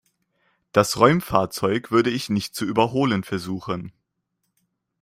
Das Räumfahrzeug würde ich nicht zu überholen versuchen.